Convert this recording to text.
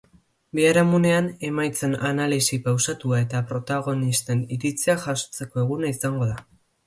Biharamunean, emaitzen analisi pausatua eta protagonisten iritziak jasotzeko eguna izango da.